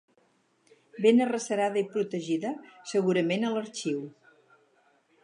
Ben arrecerada i protegida, segurament a l'arxiu.